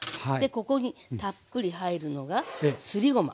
ここにたっぷり入るのがすりごま。